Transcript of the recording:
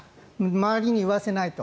周りに言わせないと。